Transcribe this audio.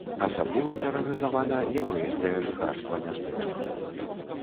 Асабліва тэрарызавана яўрэйскае жыхарства мястэчка.